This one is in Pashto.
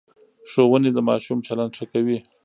ښوونې د ماشوم چلند ښه کوي.